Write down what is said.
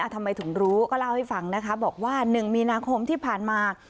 ทำไมถึงรู้ก็เล่าให้ฟังนะคะบอกว่า๑มีนาคมที่ผ่านมา